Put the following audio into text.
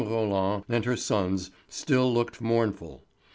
Roland and her sons still looked mournful.